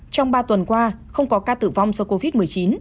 trong ba tuần qua không có ca tử vong do covid một mươi chín